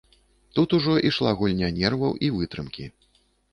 Тут ужо ішла гульня нерваў і вытрымкі.